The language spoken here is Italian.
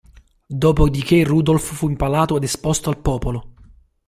Dopo di che Rudolf fu impalato ed esposto al popolo.